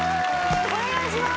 お願いします！